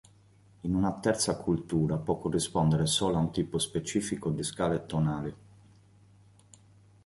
In una terza cultura può corrispondere solo a un tipo specifico di scale tonali.